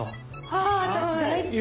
あ私大好き！